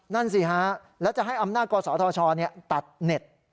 นั่นสิฮะแล้วจะให้อำนาจกศธชตัดเน็ต